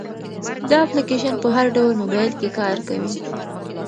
دا اپلیکیشن په هر ډول موبایل کې کار کوي.